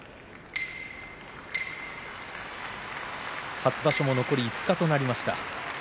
初場所も残り５日となりました。